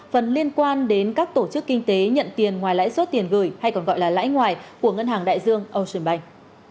phần liên quan đến các tổ chức kinh tế nhận tiền ngoài lãi suất tiền gửi hay còn gọi là lãi ngoài của ngân hàng đại dương ocean bank